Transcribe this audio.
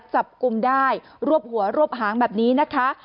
จับกลุ่มได้รวบหัวรวบหางแบบนี้นะคะ